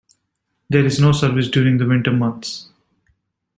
There is no service during the winter months.